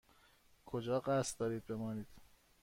کجا قصد دارید بمانید؟